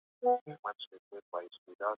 آيا دغه ځان وژنه د اعتراض په ډول وه؟